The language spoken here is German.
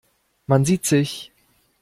Man sieht sich.